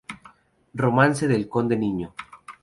Romance del Conde Niño